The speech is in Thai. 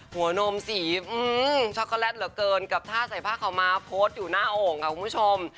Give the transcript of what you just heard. นมสีช็อกโกแลตเหลือเกินกับท่าใส่ผ้าขาวม้าโพสต์อยู่หน้าโอ่งค่ะคุณผู้ชม